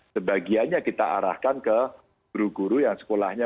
sebagiannya kita arahkan ke guru guru yang sekolahnya